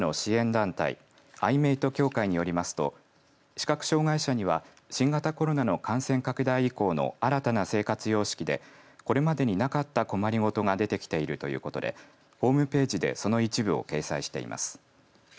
団体アイメイト協会によりますと視覚障害者には新型コロナの感染拡大以降の新たな生活様式でこれまでになかった困りごとが出てきているということでホームページでその一部を掲載しています。